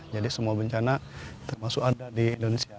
jadi semua bencana termasuk ada di indonesia